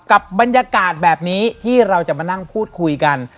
กับบรรยากาศแบบนี้ที่เราจะมานั่งพูดคุยกัน